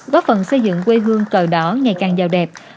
góp phần xây dựng quê hương cờ đỏ ngày càng giàu đẹp